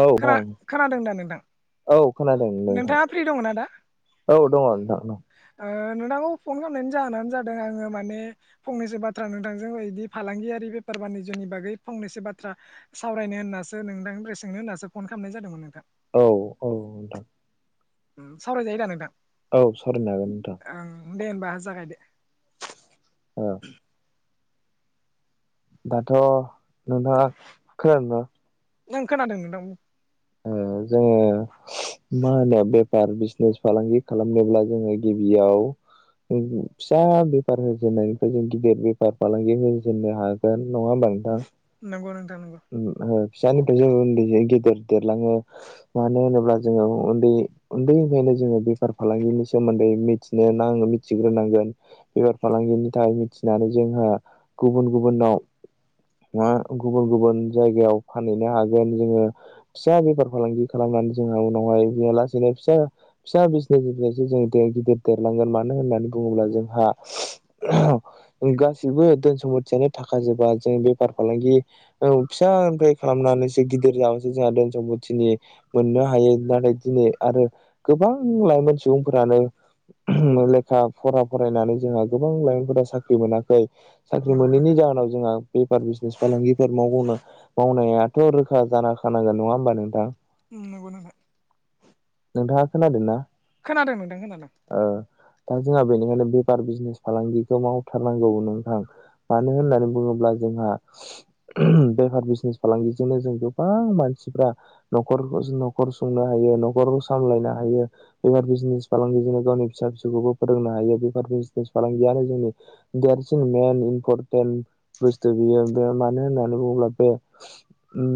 औ खोना नोंथां खोनादों दा नोंथां औ खोनादों नोंथां। नोंथाङा फ्रि दङ ना दा औ दङ नोंथां। ओ नोंथांखौ फन खालामनायनि जाहोनानो जादों आङो माने फंनैसो बाथ्रा नोंथांजों बिदि फालांगियारि बेफार फार बानिज्यनि बागै फांनैसो बाथ्रा सावरायनो होन्नासो नोंथांनिफ्राइ सोंनो होन्नासो फन खालामनाय जादोंमोन नोंथां औ औ नोंथां। सावरायजायोदा नोंथां? औ सरायनो हागोन नोंथां। ओं दे होमबा जागायदो। औ दाथ' नोंथाया खनादोंना? नों खोनादों नोंथां बुं ओ जोङो मा होनो बेफार बिजनेस फालांगि खालामनोब्ला जोङो गिबियाव फिसा बेफार होजेननायनिफ्राय जों गिदिर बेफार फालांगि होजेननो हागोन नङा होमबा नोंथां? नंगौ नोंथां नंगौ। जोंङो उन्दै जा गेदेर देरलाङो मानो होनोब्ला जोङो उन्दै उन्दैनिफ्रायनो जोङो बेफार फालांगिनि सोमोनदै मिथिनोनां मिथिग्रोनांगोन बेफार फालांगिनि थाखायनानै जोंहा गुबुन गुबुनाव ओ गुबुन गुबुन जायगायाव फानहैनो हागोन जोङो फिसा बेफार फालांगि खालामनानै जोंहा उनावहाय बे लासैनो फिसा फिसा बिजनेसनिफ्रायसो जों गिदिर देरलांगोन मानो होननानै बुङोब्ला जोंहा गासिबो धोन समपथियानो थाखाजोबा जों बेफार फालांगि ओ फिसा सानिफ्राय खालामनानैसो गिदिर जाबो जादों। जथिनि मोननो हायो नाथाय दिनै आरो गोबां लाइमोन सुबुंफोरानो लेखा फरा फरायनानै जोंहा गोबां लाइ साख्रि मोनाखै साख्रि नंगौ मोनैनि नोंथां जाहोनाव जोंहा बेफार बिजनेस फालांगिफोर मावनो मावनायाथ' रोखा जाखानांगोन नङा होमबा नोंथां? नंगौ नोंथां नोंथाङा खोनादोंना खोनादों नोंथां खोनादों ओ दा जोंहा बेनिखायनो। बेफार बिजनेस फालांगिखौ मावथारनांगौ नोंथां मानो होननानै बुङोब्ला जोंहा बेफार बिजनेस फालांगिजोंनो जों गोबां मानसिफ्रा नख'र नख'र संनो हायो नख'र सामलायनो हायो बेबार बिजनेस फालांगिजोंनो। फिसा फिसौखौबो फोरोंनो हायो बेफोर बिजनेस फालांगियानो जोंनि देरसिन मेन इम्परटेन्ट। बुस्थु बियो बे मानो होननानै बुङोब्ला बे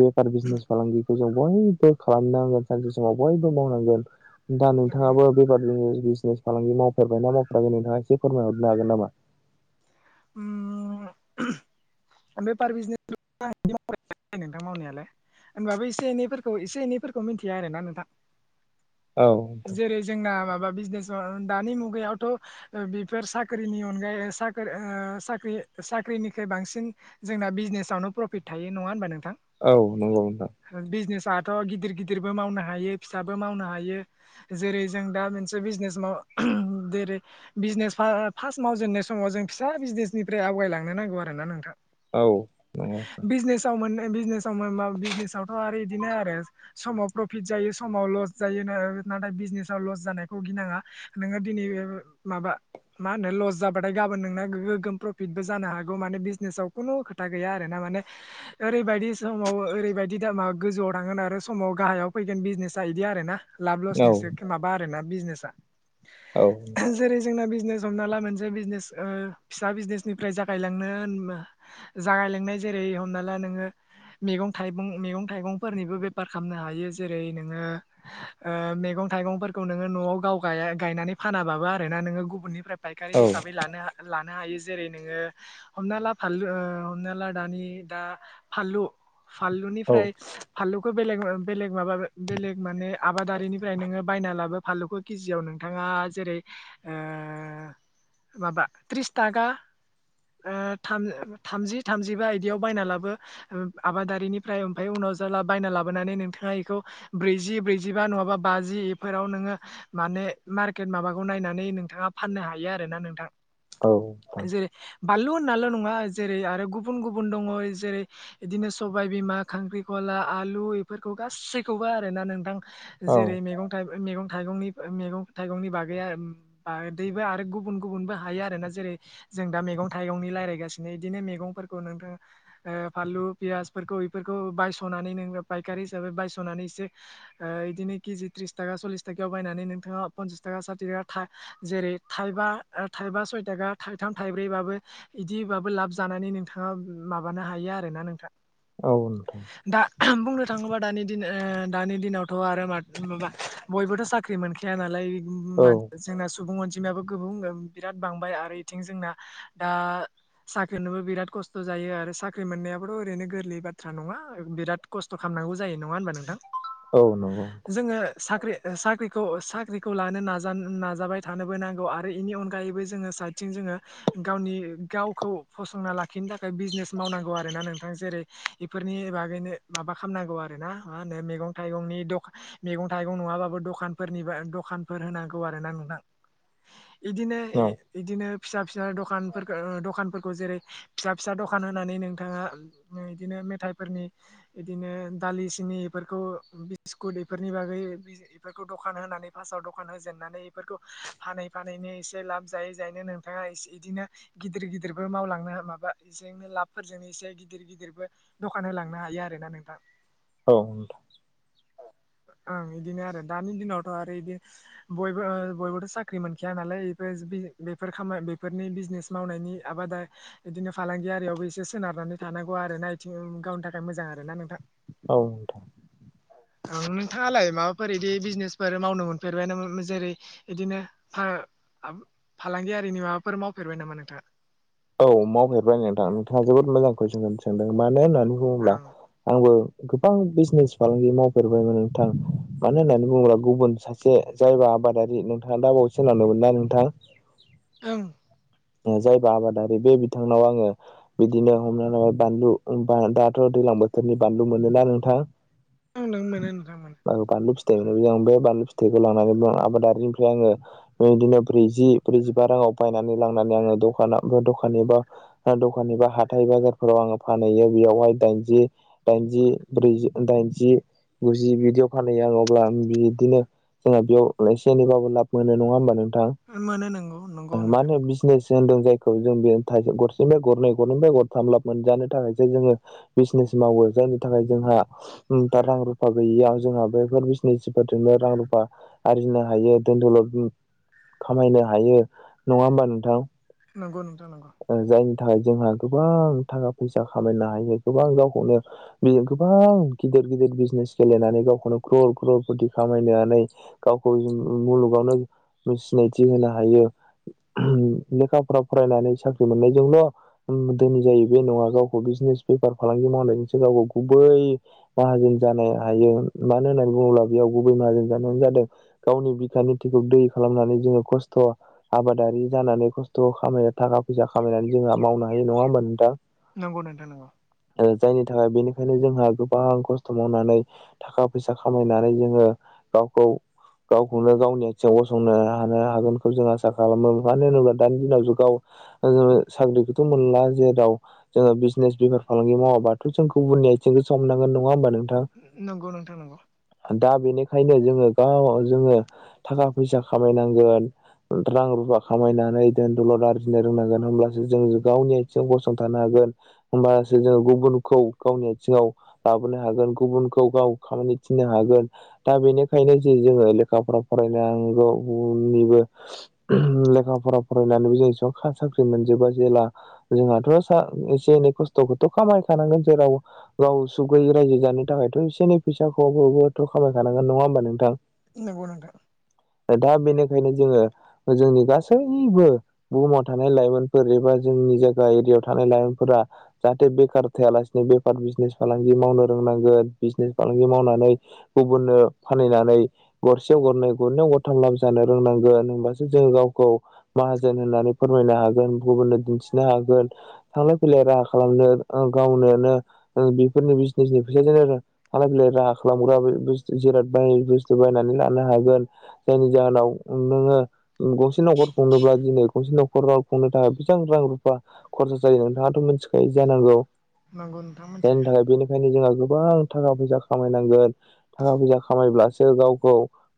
बेफार बिजनेस फालांगि जों बयबो खालामनांगोन सानसे समाव बयबो मावनांगोन दा नंगौ नोंथाङाबो नोंथां बेफारनि। बिजने फालांगि मावफेरबायना मावफेराखोन नोंथाङा एसे फोरमायहरनो हागोन नामा? उम बेफार बिजनेस [inaudible] नोंथां मावनायालाय होनबाबो एसे एनैफोरखौ एसे एनैफोरखौ मिन्थियो आरोना नोंथां। औ नोंथां। जेरै जोंना माबा बिजनेस दानि मुगायावथ' बेफोर साख्रिनि अनगायै ओ साख्रि ओ साख्रि साख्रिनिख्रुइ बांसिन जोंना बिजनेसावनो प्रफिट थायो नङा होनबा नों औ नंगौ नोंथां दाथ' गिदिर गिदिरबो मावनो हायो फिसाबो मावनो हायो जेरै जों दा मोनसे बिजनेस माव जेरै बिजनेस फार्स्ट मावजेननाय समाव जों फिसा बिजनेसनिफ्राय दे आवगायलांनो नांगौ आरो ना नोंथां औ नंगौ नोंथां बिजनेसाव मोन बिजनेसाव मा बिजनेसावथ' आरो इदिनो आरो समाव प्रफिट जायो समाव लस जायो नाथाय बिजनेसाव लस जानायखौ गिनाङा नोङो दिनै ओ माबा मा होनो लस जाबाथाय गाबोन नोंना ओग गोगोम प्रफिटबो जानो हागौ माने बिजनेसाव खुनु खोथा गैया आरोना माने ओरैबायदि समाव ओरैबायदि दामा गोजौवाव थांगोन आरो समाव गाहायाव फैगोन बिजनेसा इदि आरो ना लाब लसनिसो औ माबा आरोना बिजनेसा औ जेरै जोंना बिजनेस हमना ला मोनसे बिजनेस ओ फिसा बिजनेस निफ्राय जागायलांनो जागायलांनाय जेरै हमना ला नोङो मेगं थाइं मेगं थाइगंफोरनिबो बेफार खालामनो हायो जेरै नोङो ओ मेगं थाइगंफोरखौ नोङो न'वाव गाव गाय गायनानै फानाबाबो आरोना नोङो गुबुननिफ्राय फायखारि औ हिसाबै लानो लानो हायो जेरै नोङो हमना ला फानलु ओ हमना ला दानि दा फानलु औ फानलुनिफ्राय फानलुखौ बेलेग बेलेग माबा बेलेग माने आबादारिनिफ्राय नोङो बायना लाबो फानलुखौ केजियाव नोंथाङा जेरै ओ माबा त्रिसथाखा ओ थामजि थामजिबा इदियाव बायना लाबो आबादारिनिफ्राय ओमफ्राय उनाव जाय बायना लाबोनानै नोंथाङा इखौ ब्रैजि ब्रैजिबा नङाबा बाजि इफोराव नोङो माने मार्केट माबाखौ नायनानै नोंथाङा फाननो हायो आरो ना नोंथां औ नोंथां फानलु होननाल' नङा जेरै आरो गुबुन गुबुन दङ जेरै बिदिनो सबाय बिमा खांख्रिखला खला आलु इफोरखौ गासैखौबो आरो ना नोंथां औ एरै मेगं थाइगं मेगं थाइगंनि मेगं थाइगंनि बागै दैबो आरो गुबुन गुबुनबो हायो आरोना जेरै जों दा मेगं थाइगंनि रायलायगासिनो इदिनो मेगंफोरखौ नोंथां ओ फानलु पियासफोरखौ बेफोरखौ बायस'नानै नों फायखारि हिसाबै बायस'नानै एसे ओ इदिनो किजि त्रिसथाखा सलिसथा थाखायाव बायनानै नोंथाङा पनसासथाखा साथिथाखा जेरै था थाइबा सयथाखा थाइथाम थाइब्रैबाबो इदिबाबो लाब जानानै नोंथाङा औ नोंथां दा बुंनो थाङोबा दानि दिन ओ दानि दिनावथ' आरो माबा बयबोथ' साख्रि मोनखाया नालाय औ [inaudible] जोंना सुबुं अनजिमायाबो गुबुं बिराद बांबाय आरो बिथिं जोंना दा साख्रिनोबो बिराद खस्थ' जायो आरो साख्रि मोननायाबोथ' ओरैनो गोरलैब बाथ्रा नङा बिराद खस्थ' खालामनांगौ जायो नङा होनबा नोंथां औ नंगौ नोंथां जोङो साख्रि साख्रिखौ साख्रिखौ लानो नाजा नाजाबाय थानोबो नांगौ आरो इनि अनगायैबो जोङो स थिं जोङो गावनि गावखौ फसंना लाखिनो थाखाय बिजनेस मावनांगौ आरोना नोंथां जेरै बेफोरनि बागैनो माबा खालामनांगौ आरो ना मा होनो मैगं थाइगंनि दखान मैगं थाइगं नङा माबाबो दखाफोरनि दखानफोर होनांगौ आरोना नोंथां नोंथां बिदिनो बिदिनो फिसा फिसा दखान दखानफोरखौ जेरै फिसा फिसा दखान होनानै नोंथाङा बिदिनो मेथाइफोरनि बिदिनो दालि सिनि बेफोरखौ बिस्कुट बेफोरनि बागै बेफोरखौ दखान होनानै फासाव दखान होजेननानै बेफोरखौ फानै फानैनो एसे लाब जायो नो नोंथाङा इदिनो गिदिर गिदिरबो मावलांनो माबा बेजोंनो लाबफोरजों एसे गिदिर गिदिर गिदिरबो दखान होलांनो हायो आरो ना नोंथां औ नों औ ओं इदिनो आरो दानि दिनावथ' आरो बिदि बयबो बयबोथ' साख्रि मोनखाया नालाय बेफोर बेफोर खामानि बेफोरनि बिजनेस मावनायनि आबादा बिदिनो फालांगियियावबो एसे सोनारनानै थानांगौ आरो ना आथिं गावनि थाखाय मोजां आरो ना नोंथां औ औ ओं नोंथाङालाय माबाफोर बिदि बिजनेसफोर मावनो मोनफेरबाय नाम जेरै बिदिनो फार फालांगियारिनि माबाफोर मावफेरबाय नामा नोंथाङा औ मावफेरबाय नोंथां नोंथाङा जोबोद मोजां कुइसनखौ सोंदों मानो होननानै बुङोब्ला ओं आंबो गोबां बिजनेस फालांगि मावफेरबायमोन नोंथां मानो होननानै बुङोब्ला गुबुन सासे जायबा आबादारि नोंथाङा दा बावैसो होनलांदोंमोन ना नोंथां ओं ओ जायबा आबाद ओ बे बिथांनाव आङो बिदिनो हमनानै ला बानलु दाथ' दैलां बोथोरनि बानलु मोन लु ना नोंथां ओं नों मोनो नोंथां मोनो बानलु फिथाइ बे बानलु फिथाइखौ लानानै आबादारिनिफ्राय आङोदिनो ब्रैजि ब्रैजिबा राङाव बायनानै लांनानै आङो दखानाव दखा एबा दखान एबा हाथथाय बाजारफोराव आङो फानहैयो बेयावहाय दाइनजि दाइन जि ब्रैजि दाइनजि गुजि बिदियाव फानहैयो आङ अब्ला बिदिनो जोंहा बेयाव एसे एनैबाबो लाब मोनो नङा होमबा नों थां मोनो नंगौ नंगौ मा नोंथां होनो नंगौ बिजनेसो होनदों खौ जों बेहाय थाय गरसेनिफ्राय गरनै गरनैनिफ्राय गरथाम लाब मोनजानो थाखायसो जोङो बिजनेस मावो जायनि थाखाय जोंहा दा रां रुफा गैयैयाव जोंहा बेफोर बिजनेसफोरजोंनो रां रुफा आरजिनो हायो दोन दलद खामायनो हायो नङा हबा नोंथां नंगौ नोंथां नंगौ ओ जायनि थाखाय जोंहा गोबां थाखा फैसा खामायनो हायो गोबां गावखौनो बि गोबां गिदिर गिदिर गिदिर बिजनेस गेलेनानै गावखौनो क्र क्र फथि खामायनानै गावखौ मुलुगावनो सिनायथि होनो हायो लेखाफ्राव फरायनानै साख्रि मोननायजोंल' धोननि जायो बे नङा गावखौ बिजनेस बेफार फालांगि मावनायनि सिगा नो गुबै माहाजोन जानो हायो मानो होननानै बुङोब्ला बेयाव गुबै माहाजोन जानाय जादों गावनि बिखनि थैखौ दै खालामनानै जोङो खस्थ' आबादारि जानानै खस्थ' खा खामायनो थाखा फैसा खामायनानै जोंहा मावनो हायो नङा होमब नोंथा नंगौ नोंथां नंगौ। ओ जायनि थाखाय बिनि दिनै जोंहा गोबां खस्थ' मावनानै थाखा फैसा खामायनानै जोङो गावखौ गावखौनो गावनि आथिङाव गसंनो हानो हागोनखौ जों आसा खालामो मानो होनोब्ला दानि दिनाव जु गाव ओ साख्रिखौथ' मोनला जेराव जोङो बिजनेस बेफार फालांगि मावाबाथ' जोंखौ गुबुननि आथिंखौसो हमनो नांगोन नङा होमबा नों नंगौ नोंथां नंगौ ओंखायनो जोङो गाव जोङो थाखा फैसा खामायनांगोन रां रुफा खामायनानै दोन दौलद आरजिनो रोंनांगोन होमब्लासो जों गावनि आथिङाव गसंथानो हागोन होमबासो जों गुबुनखौ गावनि आथिङाव लाबोनो हागोन गुबुनखौ गाव खामानि थिननो हागोन दा बेनिखायनो जो-जोङो लेखा फरा फरायनाल नांगौनिबो लेखा फरा फर रायनानै जों साख्रि मोनजोबा जेला जोंहाथ' सा एसे एनै खस्थ'खौथ' खामायखा नांगोन जेराव गाव सुग गैयै रायजो जानो थाखायथ' एसे एै फैसाखौबो' खामायखानांगोन नङा होम बा नोंथां नंगौ नोंथां दा बेनिखायनो जोङो जोंनि गासै निबो बुहुमाव थानाय लाइमोनफोर एबा जोंनि जायगा एरियायाव थानाय लाइमोनफोरा जाहाथे बे बेखार थायालासिनो बेफार बिजनेस फालांगि मावनो रोंनांगोन बिजनेस फालांगि मावनानै गुबुननो फानहैनानै गरसेयाव गरनै गरनैवाव गरथाम लाब जानो रोंनांगोन होनबासो जोङो गावखौ माहाजोन होननानै फोरमायनो हागोन गुबुननो दिन्थिनो हागोन थांलाय फैलाय राहा खालामनो गावनो नो बेफोरनि बिजनेसनि फैसाजों थलाय फैलाय राहा खालामग्रा बे जिराद बाय बुस्थु बायना हानो लानो हागोन जायनि जाहोनाव नोङो गंसे न'खर खुंनोब्ला दिनै गंसे न'खराव खुंनो थाखाय बेसेबां रां रुफा खरसा जायो नोंथाङाथ' मिथिखायो जानांगौ नंगौ नोंथां मिथियो। जायनि थाखाय बेनिखायनो जोंहा गो बां थाखा फैसा खामायनांगोन थाखा फैसा खामायब्लासो गावखौ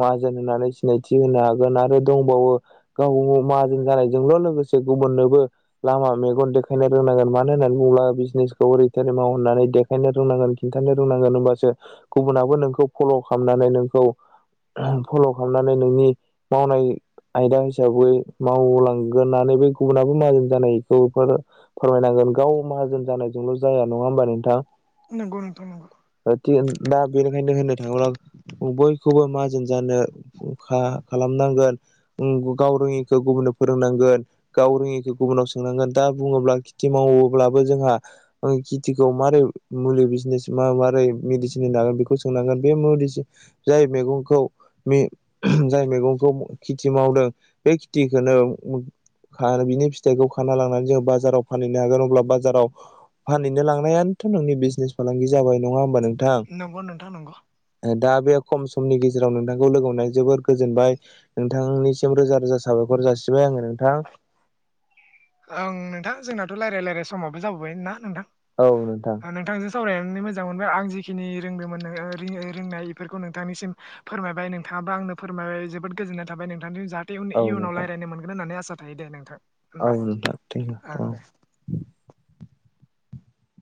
माहाजोन होननानै सिनायथि होनो हागोन आरो दंबावो गाव गाव माहाजोन जानायजोंल' लोगोसे गुबुननोबो लामा मेगन देखायनो रोंनांगोन मानो होननानै बुङो- ब्ला बिजनेसखौ ओरै थोरै माव होनना देखायनो रोंनांगोन खिन्थानो रोंनांगोन होमबासो गुबुनाबो नोंखौ फल' खालामनानै नोंखौ फल' खालामनानै नोंनि मावनाय आयदा हिस हिसाबै मावलांगोननानो बे गुबुनाबो माहाजोंन जानायखौ फोरमायनांगोन गाव माहाजोन जानायजोंल' जाया नङा होमबा नोंथां नंगौ नंथां नंगौ दा बेनिखायनो होननो थाङोब्ला बयखौबो माजोन जानो खालामनांगोन गाव रोङिखौ गुबुननो फोरोंनांगोन गाव रोङिखौ गुबुनाव सोंनांगोन दा बुङोब्ला खेथि मावोब्लाबो जोंहा खिथिखौ मारै मुलि बिजनेज मा मारै मेडिसिन होनो हांगोन बेखौ सोंनांगोन बे मुलि जाय मैगंखौ मे जाय मैगंखौ खेथि मावदों बे खेथिखौनो आरो बिनि फिथाइखौ खाना लांनानै जोङो बाजाराव फानहैनो हागोन अब्ला बाजाराव फानहैनो लांनायानोथ' नोंनि बिजनेस फालांगि जाबाय नङा होमबा नोंथां नंगौ नोंथां नंगौ दा बे खम समनि गेजेराव नोंथांखौ लोगो हमना जोबोर गोजोनबाय नोंथांनिसिम रोजा रोजा साबायखर जासिबाय आङो नोंथां ओं नोंथां जोंनाथ' रायलाय रायलाय समाबो जाबोबाय ना नोंथां औ नोंथां सावरायनो मोजां मोनबाय आं जिखिनि रोंदोंमोन रि ओ रोंनाय बेफोरखौ नोंथांनिसिम फोरमायबाय नोंथां नोंथांङाबो आंनो फोरमायबाय जोबोद गोजोननाय थाब नोंथांनि जा ति औ इयुनाव नोंथां रायज्लायनो मोनगोन होननानै आसा थायो दे नोंथां होमबा ओं दे [unintelligible] अ